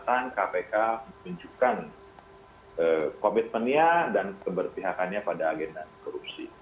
karena kpk menunjukkan komitmennya dan keberpihakannya pada agenda korupsi